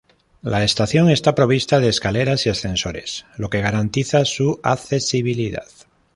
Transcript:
La estación está provista de escaleras y ascensores, lo que garantiza su accesibilidad.